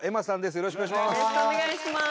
よろしくお願いします。